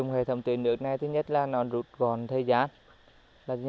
hệ thống tưới nước này thứ nhất là nó rút gòn thời gian